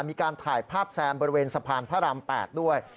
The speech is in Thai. มีการถ่ายภาพแซมบริเวณสะพานพระราม๘ด้วย